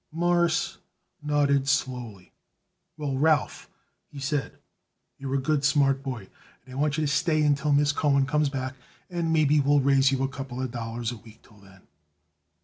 Morris nodded slowly. "Well, Ralph," he said, "you're a good, smart boy, and I want you to stay until Miss Cohen comes back and maybe we'll raise you a couple of dollars a week till then."